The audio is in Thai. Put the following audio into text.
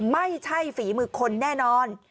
ไม่ใช่ฝีมือคนแน่นอน